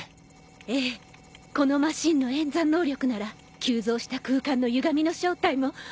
ええこのマシンの演算能力なら急増した空間のゆがみの正体ももうすぐ。